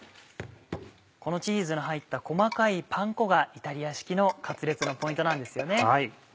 このチーズの入った細かいパン粉がイタリア式のカツレツのポイントなんですよね。